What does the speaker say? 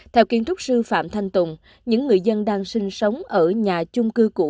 theo kiến trúc sư phạm thanh tùng những người dân đang sinh sống ở nhà chung cư cũ